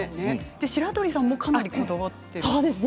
白鳥さんもかなり、こだわっていると。